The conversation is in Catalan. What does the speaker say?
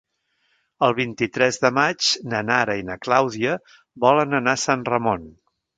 El vint-i-tres de maig na Nara i na Clàudia volen anar a Sant Ramon.